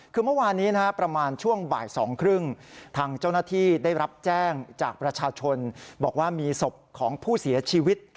คือเมื่อวานนี้ประมาณช่วงบ่าย๒๓๐ทางเจ้าหน้าที่ได้รับแจ้งจากประชาชนบอกว่ามีศพของผู้เสียชีวิต